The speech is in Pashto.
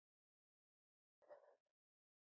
د برتانیې دولت له کومه دی.